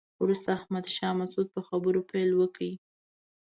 وروسته احمد شاه مسعود په خبرو پیل وکړ.